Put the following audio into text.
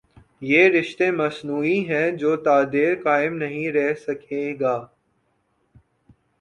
یہ رشتہ مصنوعی ہے جو تا دیر قائم نہیں رہ سکے گا۔